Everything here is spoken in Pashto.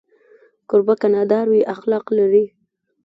کوربه که نادار وي، اخلاق لري.